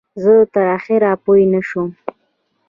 زه تر اخره پوی نشوم.